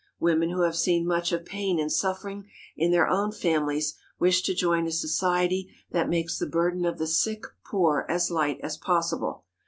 Women who have seen much of pain and suffering in their own families wish to join a society that makes the burden of the sick poor as light as possible.